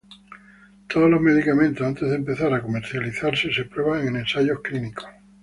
Todos los medicamentos antes de empezar a comercializarse se prueban en ensayos clínicos.